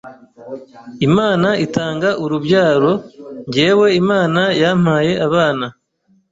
Imana itanga Urubyaro. Njyewe Imana yampaye abana